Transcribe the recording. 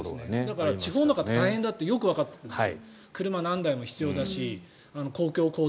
だから地方の方大変だってよくわかるんです。